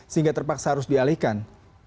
sehingga terpaksa harus dialihkan